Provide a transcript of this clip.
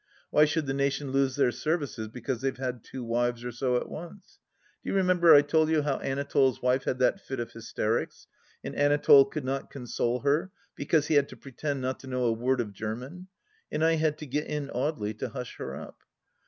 Why should the nation lose their services because they've had two wives or so at once ? Do you remember I told you how Anatole's wife had that fit of hysterics, and Anatole could not console her, because he had to pretend not to know a word of German, and I had to get in Audely to hush her up